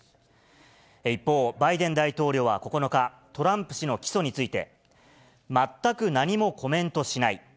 一方、バイデン大統領は９日、トランプ氏の起訴について、全く何もコメントしない。